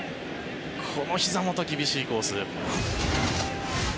このひざもと、厳しいコース。